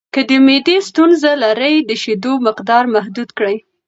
که د معدې ستونزه لرئ، د شیدو مقدار محدود کړئ.